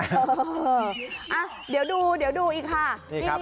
เอออ่ะเดี๋ยวดูอีกค่ะ